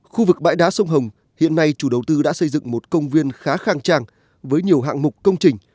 khu vực bãi đá sông hồng hiện nay chủ đầu tư đã xây dựng một công viên khá khang trang với nhiều hạng mục công trình